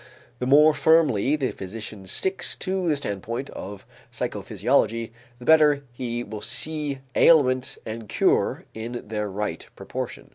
The more firmly the physician sticks to the standpoint of psychophysiology, the better he will see ailment and cure in their right proportion.